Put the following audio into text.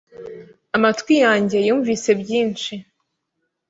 amatwi yanjye yumvise byinshi,